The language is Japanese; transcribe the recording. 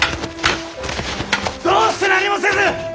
どうして何もせず！